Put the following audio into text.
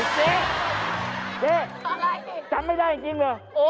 จำไม่ได้จริงหรือ